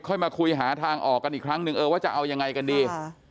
มาคุยหาทางออกกันอีกครั้งหนึ่งเออว่าจะเอายังไงกันดี